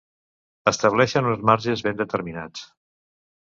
Estableixen uns marges ben determinats.